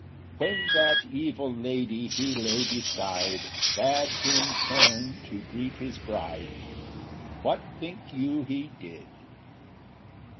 II When that evil lady he lay beside Bade him turn to greet his bride, What think you he did?